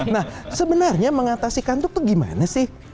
nah sebenarnya mengatasi kantuk tuh gimana sih